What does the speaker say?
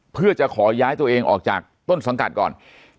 เพื่อจะขอย้ายตัวเองออกจากต้นสังกัดก่อน